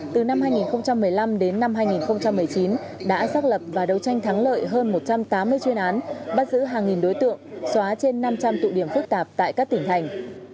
từ năm hai nghìn một mươi năm đến năm hai nghìn một mươi chín đã xác lập và đấu tranh thắng lợi hơn một trăm tám mươi chuyên án bắt giữ hàng nghìn đối tượng xóa trên năm trăm linh tụ điểm phức tạp tại các tỉnh thành